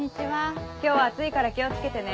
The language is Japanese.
今日は暑いから気を付けてね。